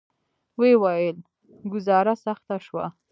ویې ویل: ګوزاره سخته شوه.